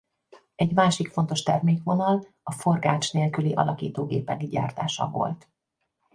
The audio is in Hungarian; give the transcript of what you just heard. Egy másik fontos termékvonal a forgács nélküli alakító gépek gyártása volt.